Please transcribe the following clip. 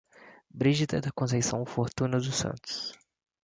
Brigida da Conceição Fortuna dos Santos